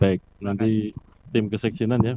baik nanti tim keseksinan ya